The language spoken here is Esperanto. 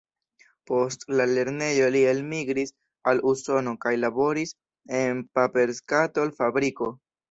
Post la lernejo li elmigris al Usono kaj laboris en paperskatol-fabriko.